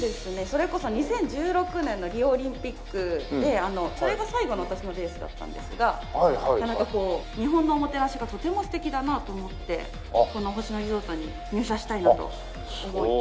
それこそ２０１６年のリオオリンピックでそれが最後の私のレースだったんですが日本のおもてなしがとても素敵だなあと思ってこの星野リゾートに入社したいなと思い。